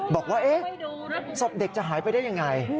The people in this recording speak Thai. บอกว่าศพเด็กจะหายไปได้ยังไง